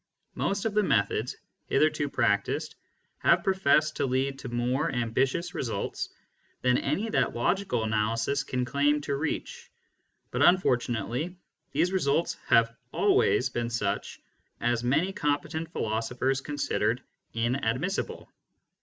Most of the methods hitherto practised have professed to lead to more ambitious results than any that logical analysis can.claim to reach, but unfortunately these results have always been such as many competent philosophers considered inadmissible.